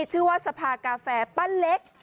ชื่อว่าสภากาแฟปั้นเล็ก